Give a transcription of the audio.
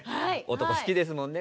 男好きですもんね。